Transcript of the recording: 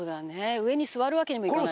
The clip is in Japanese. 上に座るわけにもいかないしね。